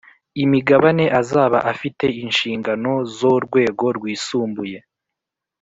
imigabane azaba afite inshingano zorwego rwisumbuye